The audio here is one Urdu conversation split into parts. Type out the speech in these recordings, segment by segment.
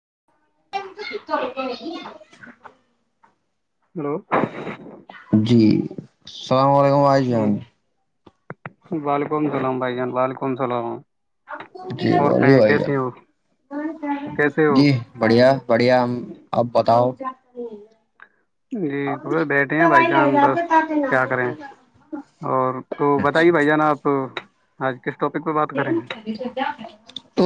[inaudible] [unintelligible] ہلو جی السلام علیکم آئی جی جان وعلیکم السلام بھائی جان وعلیکم السلام جی اور بی کہیں بھائی کیسے ہو کیسے ہو جی بڑھیا بڑھیا آپ بتاؤ ہوں جی بیٹھے ہیں بھائی جان بس کیا کریں اور تو بتائیے بھائی جان آپ ہاں جی [unintelligible]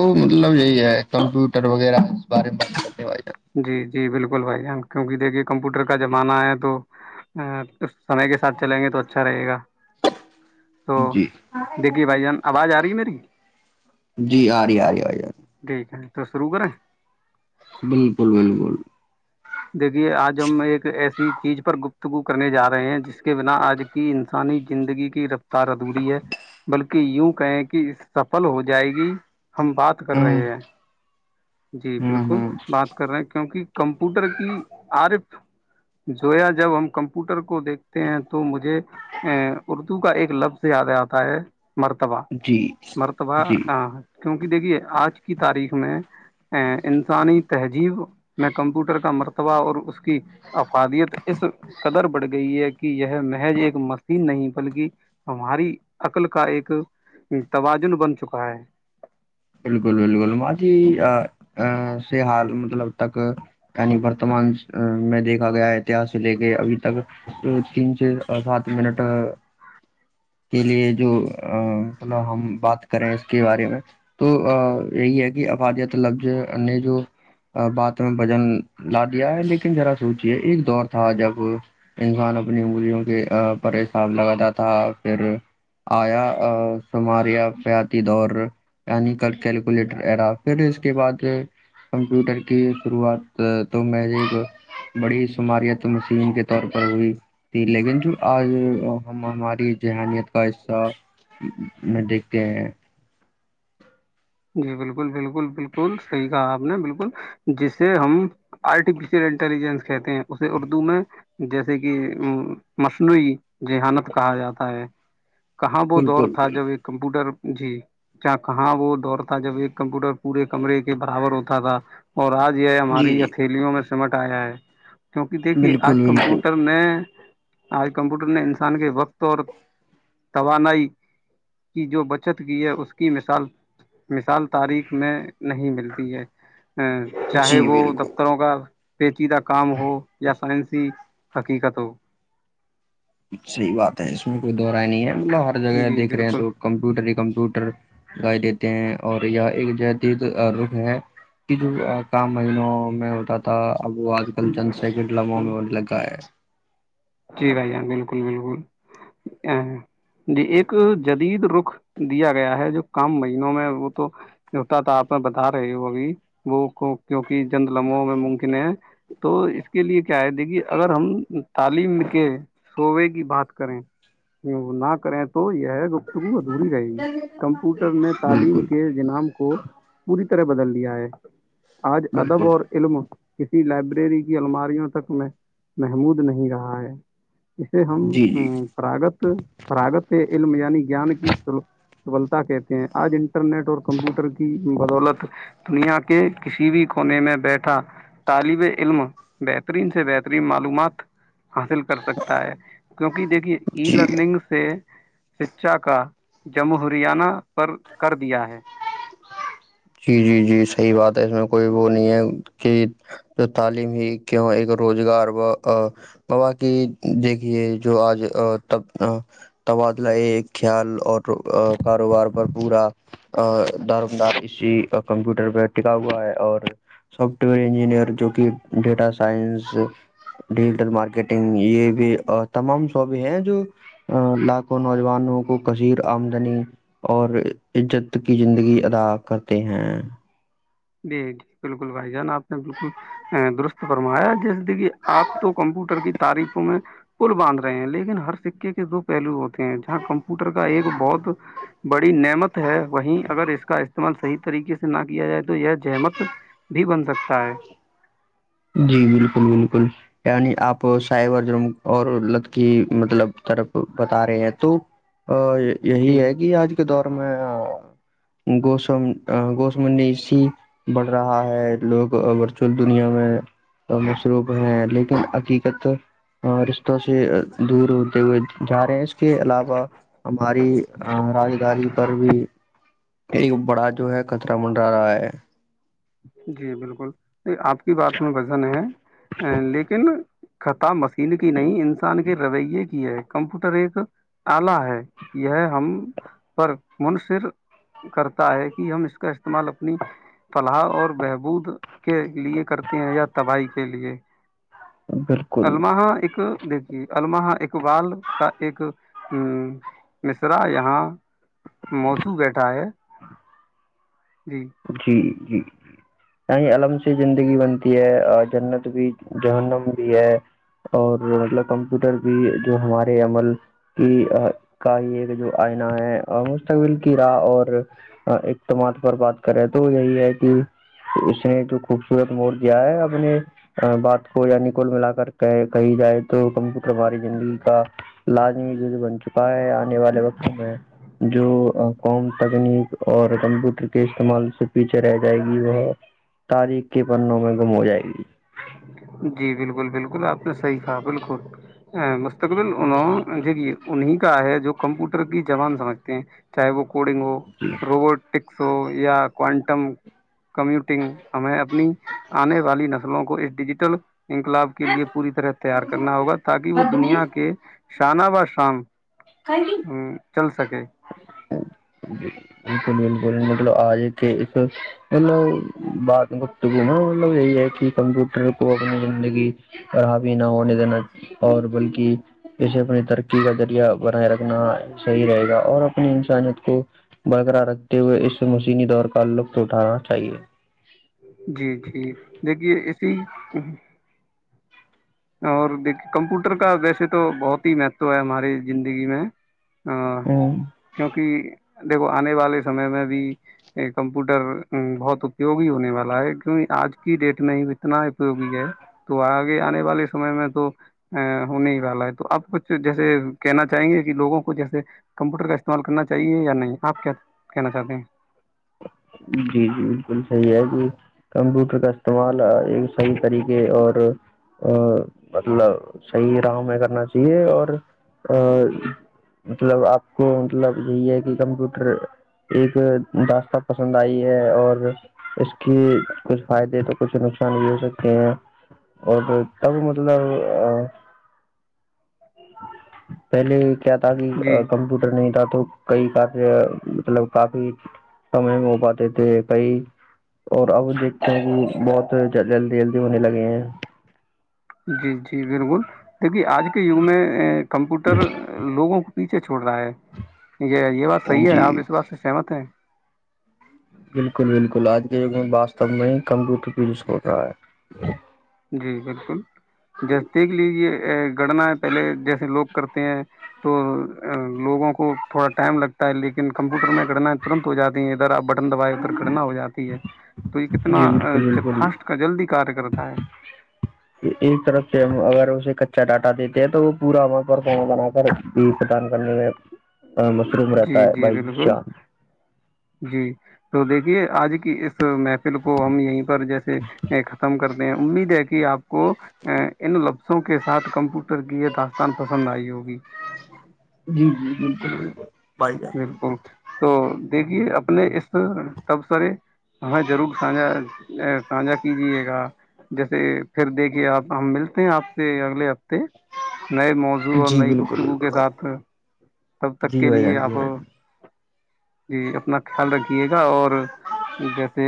ر وغیرہ بار میں بات کرنے جی جی بالکل بھائی جان کیونکہ دیکھیے کمپیوٹر کا زمانہ ہے تو اس سمے کے ساتھ چلیں گے تو اچھا رہے گا تو جی دیکھیے بھائی جان آواز آ رہی ہے میری جی آ رہی آ رہی آ رہی ٹھیک ہے تو شروع کریں بالکل بالکل دیکھیے آج ہم ایک ایسی چیز پر گفتگو کرنے جا رہے ہیں جس کے بنا آج کی انسانی زندگی کی رف سارا دوری ہے بلکہ یوں کہیں کہ سفل ہو جائے گی ہم بات کر ہوں رہے ہیں جی ہوں بالکل ہوں بات کر رہے ہیں کیونکہ [unintelligible] کمپوٹر کی عارف جویا جب ہم کمپیوٹر کو دیکھتے ہیں تو مجھے ا اردو کا ایک لفظ یاد آتا ہے مرتب جی مرتب جی کیونکہ دیکھیے آج کی تاریخ میں ا انسانی تہذیب میں کمپیوٹر کا مرتبہ اور اس کی افادیت اس قدر بڑھ گئی ہے کہ یہ محض ایک مشین نہیں بلکہ ہماری عقل کا ایک توازن بن چکا ہے بالکل بالکل ماتی سے حال مطلب اب تک یعنی ورتمان میں دیکھا گیا ہے اتحس سے لے کے ابھی تک تین سے سات منٹ کے لیے جو مطلب ہم بات کریں اس کے بارے میں تو یہی ہے کہ افادیت لفظ نے جو بات میں بجن لا دیا ہے لیکن ذرا سوچے ایک دور تھا جب انسان اپنی اگولیوں کے پر حساب لگاتا تھا پھر آیامار یافیاتی دور یعنی کل کیلکولیٹر ایرا پھر اس کے بعد کمپیوٹر کی شروعات تو میں ایک بڑی شماریت تم چین کے طور پر ہوئی تھی لیکن جو آج ہم ہماری ذہنیت کا حصہ میں دیکھتے ہیں جی بالکل بالکل بالکل صحیح کہا آپ نے بالکل جسے ہم آرٹیفیشیل انٹیلیجنس کہتے ہیں اسے اردو میں جیسے کہ مصنوعی جذہانت کہا جاتا ہے کہاں وہ دور بالکل تھا بالکل جب ایک کمپیوٹر جی ج کہاں وہ اور تھا جب ایک کمپیوٹر پورے کمرے کے برابر ہوتا تھا اور آج یہ جی ہماری جی ہتھیلیوں میں سمٹ آیا ہے کیونکہ دیکھیے بالکل آج بالکل کمپیوٹر میں آج کمپیوٹر نے انسان کے وقت اور توانائی کی جو بچت کی ہے اس کی مثال مثال تاریخ میں نہیں ملتی ہے ا چاہے جی وہ بالکل دفتروں کا [inaudible] [unintelligible] [unintelligible] جی بالکل [unintelligible] [unintelligible] [unintelligible] [unintelligible] [unintelligible] [unintelligible] بالکل [unintelligible] بالکل [unintelligible] [unintelligible] جی [unintelligible] [unintelligible] [unintelligible] جی جی [unintelligible] [unintelligible] [unintelligible] [unintelligible] [unintelligible] [unintelligible] [unintelligible] [unintelligible] [unintelligible] [unintelligible] [unintelligible] جی [unintelligible] [unintelligible] [unintelligible] [unintelligible] [unintelligible] [unintelligible] [unintelligible] [unintelligible] [unintelligible] [unintelligible] [unintelligible] بہبود کے لیے کرتے ہیں یا تباہی کے لیے بالکل الماہ ایک دیکھیے الما اقبال کا ایک ا مصرا یہاں موزو بیٹھا ہے ا جی جی یہ علم سے زندگی بنتی ہے جنت بھی جہنم بھی ہے اور مطلب کمپیوٹر بھی جو ہمارے عمل کی کا یہ جو آئناہ ہے مستقبل کی راہ اور اقدامات پر بات کرے تو یہی ہے کہ اس نے جو خوبصورت مڑ دیا ہے اپنے بات کو یعنی کول ملا کر کہ کہی جائے تو کمپیوٹر ہماری زندگی کا لازمی بن چکا ہے آنے والے وقت میں جو قوم تکنیک اور کمپیوٹر کے تمال سے پیچھے رہ جائے گی وہ تاریخ کے پنوں میں گم ہو جائے گی جی بالکل بالکل آپ نے صحیح کہا بالکل م [inaudible] انہیں کا ہے جو کمپیوٹر کی زبان سمجھتے ہیں چاہے وہ کوڈنگ ہو روبوٹکس ہو یا کوانٹم کمیوٹنگ ہمیں اپنی آنے والی نس ووں کو اس ڈیجیٹ چلو انقلاب کے لیے پوری طرح تیار کرنا ہوگا تاکہ وہ دنیا کے شانہ بہ شان چل سکے [inaudible] مطلب آجے تھ مطلب بات میں مطلب یہی ہے کہ کمپیوٹر کو اپنی زندگی پر ہاوے نہ ہونے دینا اور بلکہ اسے اپنی ترقی کا ذریعہ بنائے رکھنا صحیح رہے گا اور اپنی انسانیت کو برقرار رکھتے ہوئے اس سے مسینی دور کا لطف اٹھانا چاہیے جی جی دیکھیے ایسے ہی اور کمپیوٹر کا ویسے تو بہت ہی میتھ تو ہے ہماری زندگی میں ہ ہوں کیونکہ دیکو آنے والے سمے میں بھی کمپیوٹر بہت اپیگی ہونے والے ا کیک آج کی ڈیٹ میں اتنا اپیوگی ہے تو آگے آنے والے سمے میں تو ہو نہیں ہی والا ہے تو آپ کچھ جیسے کہنا چاہیں گے کہ لوگوں کو جیسے کمپیوٹر کا استعمال کرنا چاہیے یا نہیں آپ کیا کہنا چاہتے ہیں جی جی بالکل صحیح ہے جی کمپیوٹر کا استعمال صحیح طریقے اور مطلب صحیح راہ میں کرنا چاہیے اور مطلب آپ کو مطلب یہی ہے کہ کمپیوٹر ایک داست پسند آئی ہے اور اس کی کچھ فائدے تو کچھ نقصان بھی ہو سکتے ہیں اور تب مطلب پہلے کیا تھا کہ جی کمپیوٹر نہیں تھا تو کئی کار مطلب کافی سمے میں ہو پاتے تھے کئی اور اب دیکھتے ہیں کہ بہت جلدی جلدی ہونے لگے ہیں جی جی بالکل دیکھیے آج کے یگ میں کمپیوٹر لوگوں کے پیچھے چھوڑ رہا ہے یہ بات صحیح ہے جی آپ اس بات سے سہمت ہیں بالکل بالکل آج کے جگ میں واستب میں کم رکھ پ ہو رہا ہے جی بالکل جیس دیکھ لیجے گڑنایں پہلے جیسے لوگ کرتے ہیں تو لوگوں کو تھوڑا ٹائم لگتا ہے لیکن کمپیوٹر میں گڑناائیں ترنت ہو جاتی ہیں ادھر آپ ب دوائی ادھر گڑنا ہو جاتی ہے تو یہ کتنا جی بالکل بالکل فاسٹ کا جلدی کار کرتا [inaudible] ایک طرف سے اگر اسے کچا ڈاٹا دیتے ہیں تو وہ پورا بنا کر بھی پتا نہیں ہے جی جی بھائی بالکل جان جی تو دیکھیے آج کی محفل کو ہم یہیں پر جیسے ختم کرتے میں امید ہے کہ اپ کو ان لفظوں کے ساتھ کمپیوٹر کی داستان پسند ائی ہوگی جی جی بالکل بالکل بھائی جان بالکل تو دیکھیے اب اس تب سرے ہمیں ضرور سانا سانھا کیجیے گا جیسے پھر دیکھیے آپ ہم ملتے ہیں آپ سے اگلے ہفتے نئے موضوع اور جی نئی بالکل گفتگو بالکل کے بھائی ساتھ تب تک جی کے بھائی لیے جان جی آپ بھائی جان۔ جی اپنا خیال رکھیے گا اور جیسے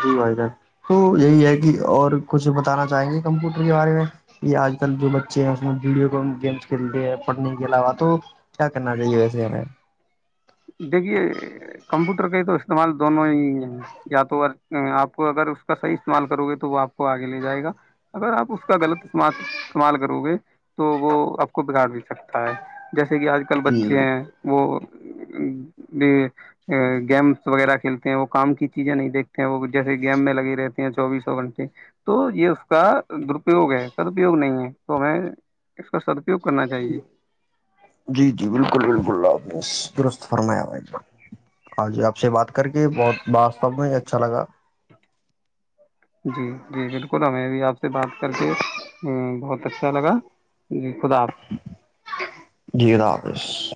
جی بھائی س تو یہی ہے کہ اور کچھ بتانا چاہیں گے کمپیوٹر کے بارے میں کہ آج کل جو بچے ہیں اس میں ویڈیو گیمس کھیلتے ہیں پڑھنے کے علاوہ تو کیا کرنا چاہیے ویسے ہمیں دیکھیے کمپیوٹر کا ہی تو استعمال دونوں ہی ہیں یا تو آپ کو اگر اس کا صحیح استعمال کرو گے تو وہ آپ کو آگے لے جائے گا اگر آپ اس کا غلط استعمال کرو گے تو وہ آپ کو بگاڑ بھی سکتا ہے جیسے ج کہ آج کل جی بچے ہیں بالکل وہ ج گیمس وغیرہ کھیلتے ہیں وہ کام کی چیزیں نہیں دیکھتے ہیں وہ جیسے گیم میں لگی رہتے ہیں چوبیسوں گھنٹے تو یہ اس کا درپیوگ ہے سدرپیوگ نہیں ہے تو میں اس کا کرنا چاہیے جی جی بالکل بالکل آپ نے درست فرمایا ہاں جی آپ سے بات کر کے بہت واب میں اچھا لگا جی جی بالکل ہمیں بھی آپ سے بات کر کے ہ بہت اچھا لگا جی خدا حافظ جید حافظ